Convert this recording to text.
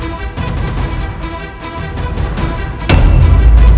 hidup raden kian santap